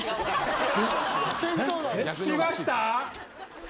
着きました？